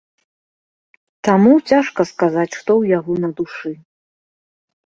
Таму цяжка сказаць, што ў яго на душы.